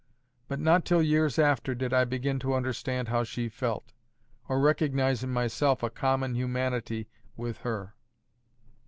But not till years after did I begin to understand how she felt, or recognize in myself a common humanity with her.